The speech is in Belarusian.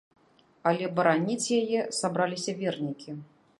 Але бараніць яе сабраліся вернікі.